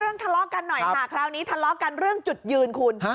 ทะเลาะกันหน่อยค่ะคราวนี้ทะเลาะกันเรื่องจุดยืนคุณ